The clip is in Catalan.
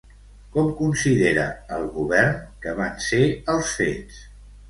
Com considera el govern que van ser els fets?